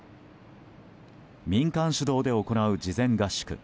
民間主導で行う事前合宿。